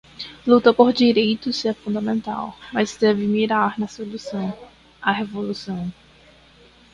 Luta por direitos é fundamental, mas deve mirar na solução, a revolução